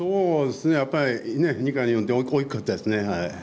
やっぱり２回の４点は大きかったですね。